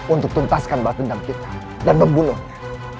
untuk tuntaskan batu dendam kita dan membunuhnya